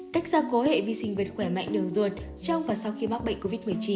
cách ra cố hệ vi sinh vật khỏe mạnh đường ruột trong và sau khi mắc bệnh covid một mươi chín